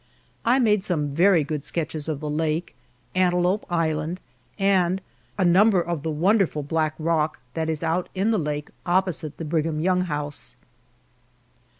I made some very good sketches of the lake, Antelope Island, and a number of the wonderful Black Rock that is out in the lake opposite the Brigham Young house.